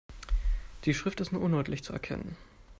Die Schrift ist nur undeutlich zu erkennen.